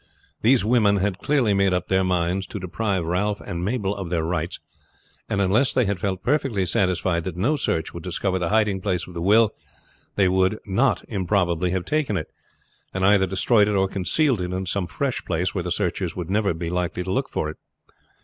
These women had clearly made up their minds to deprive Ralph and Mabel of their rights, and unless they had felt perfectly satisfied that no search would discover the hiding place of the will, they would not improbably have taken it, and either destroyed it or concealed it in some fresh place where the searchers would never be likely to look for it.